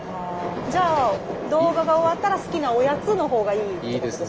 じゃあ動画が終わったら好きなおやつの方がいいってことですか？